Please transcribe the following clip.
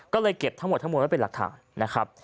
ก็เลยเก็บทั้งหมดทั้งหมดไว้เป็นหลักฐานนะครับ